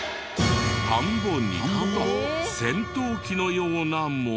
田んぼに戦闘機のようなもの。